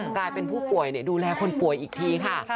กลายเป็นผู้ป่วยดูแลคนป่วยอีกทีค่ะ